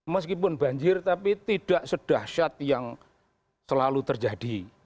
meskipun banjir tapi tidak sedahsyat yang selalu terjadi